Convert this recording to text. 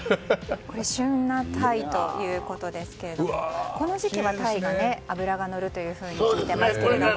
旬のタイということですがこの時期はタイが脂が乗ると聞いていますけども。